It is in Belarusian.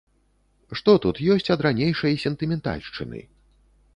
Што тут ёсць ад ранейшай сентыментальшчыны?